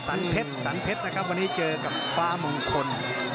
เพชรสันเพชรนะครับวันนี้เจอกับฟ้ามงคล